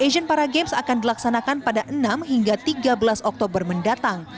asean paragames akan dilaksanakan pada enam hingga tiga belas oktober mendatang